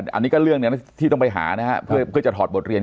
เป็นเรื่องที่เราไปหาเพื่อจะถอดบทเรียน